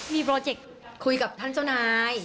มีโปรเจกต์คุยกับท่านเจ้านาย